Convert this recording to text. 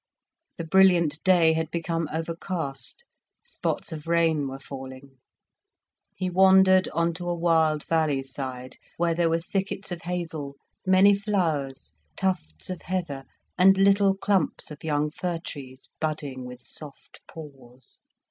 The brilliant day had become overcast, spots of rain were falling. He wandered on to a wild valley side, where were thickets of hazel, many flowers, tufts of heather, and little clumps of young fir trees, budding with soft paws.